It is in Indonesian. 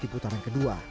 di putaran kedua